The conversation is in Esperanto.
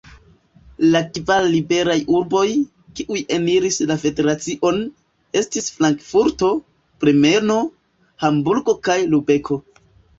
La kvar liberaj urboj, kiuj eniris la federacion, estis Frankfurto, Bremeno, Hamburgo kaj Lubeko.